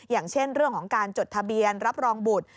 อย่างเช่นเรื่องของการจดทะเบียนรับรองบุตร